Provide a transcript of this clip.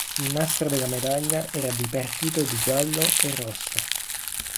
Il nastro della medaglia era bipartito di giallo e rosso.